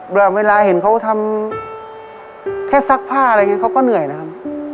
เวลาเห็นเขาทำแค่ซักผ้าอะไรอย่างนี้เขาก็เหนื่อยนะครับ